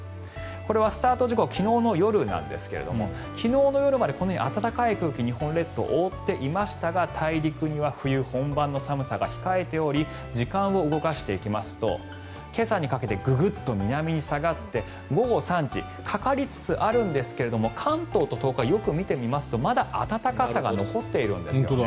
これはスタート時刻昨日の夜なんですが昨日の夜まで暖かい空気が日本列島を覆っていましたが大陸には冬本番の寒さが控えており時間を動かしていきますと今朝にかけてググッと南に下がって午後３時かかりつつあるんですが関東と東海、よく見てみますとまだ暖かさが残っているんですよね。